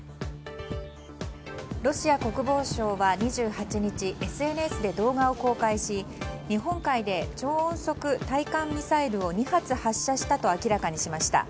ロシア国防省は２８日、ＳＮＳで動画を公開し日本海で超音速対艦ミサイルを２発発射したと明らかにしました。